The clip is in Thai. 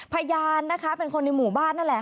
พยานนะคะเป็นคนในหมู่บ้านนั่นแหละ